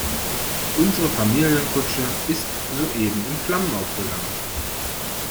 Unsere Familienkutsche ist soeben in Flammen aufgegangen.